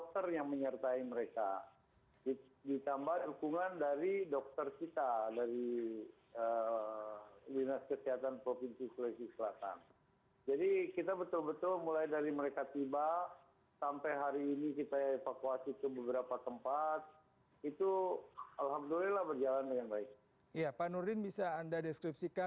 tapi mereka itu sudah ada di indonesia